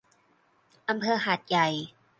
อำเภอหาดใหญ่